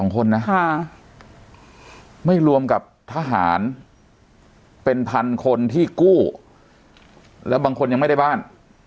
๒คนนะไม่รวมกับทหารเป็นพันคนที่กู้แล้วบางคนยังไม่ได้บ้าน